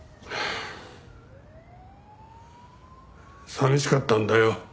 寂しかったんだよ。